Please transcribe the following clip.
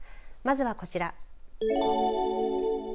まずはこちら。